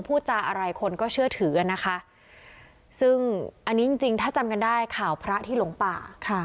พูดจาอะไรคนก็เชื่อถือกันนะคะซึ่งอันนี้จริงจริงถ้าจำกันได้ข่าวพระที่หลงป่า